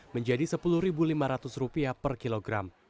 menjadi rp sepuluh lima ratus per kilogram